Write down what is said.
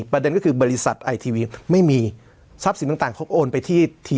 ประเด็นก็คือบริษัทไอทีวีไม่มีทรัพย์สินต่างเขาโอนไปที่ที